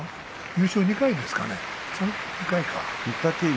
優勝３回ですね。